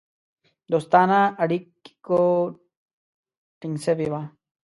دوستانه اړیکو ټینګ سوي وه.